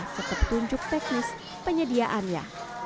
seperti petunjuk teknis penyediaannya